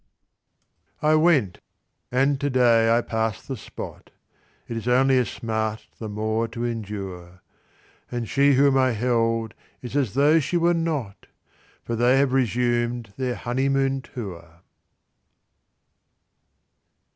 I went. And to day I pass the spot; It is only a smart the more to endure; And she whom I held is as though she were not, For they have resumed their honeymoon tour.